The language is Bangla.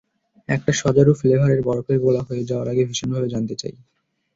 একটা শজারু ফ্লেভারের বরফের গোলা হয়ে যাওয়ার আগে ভীষণভাবে জানতে চাই।